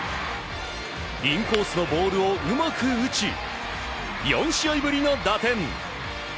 インコースのボールをうまく打ち４試合ぶりの打点！